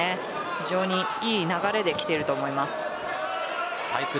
非常にいい流れできています。